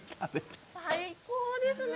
最高ですね。